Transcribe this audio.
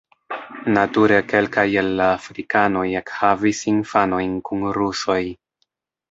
Nature kelkaj el la afrikanoj ekhavis infanojn kun rusoj.